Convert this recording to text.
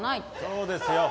そうですよ。